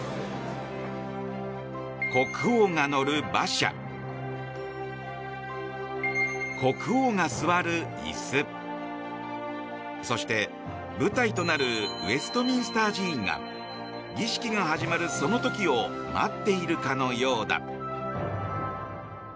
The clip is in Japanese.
国王が乗る馬車、国王が座る椅子そして、舞台となるウェストミンスター寺院が儀式が始まるその時を待っているかのようだ。